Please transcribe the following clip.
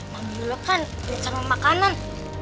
mami yulia kan bercanggah makanan